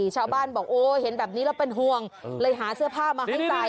ชาวบ้านบอกโอ้เห็นแบบนี้แล้วเป็นห่วงเลยหาเสื้อผ้ามาให้ใจ